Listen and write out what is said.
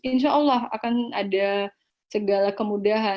insya allah akan ada segala kemudahan